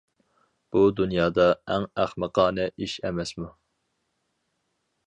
بۇ دۇنيادا ئەڭ ئەخمىقانە ئىش ئەمەسمۇ.